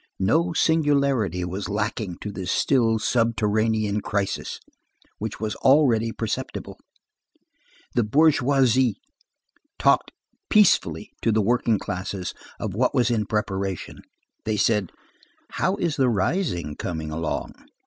No singularity was lacking to this still subterranean crisis, which was already perceptible. The bourgeois talked peaceably to the working classes of what was in preparation. They said: "How is the rising coming along?"